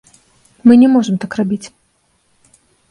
Мы не можам так рабіць.